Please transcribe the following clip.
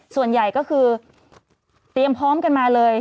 ส่วนใหญ่ก็คือเตรียมพร้อมกันมาเลย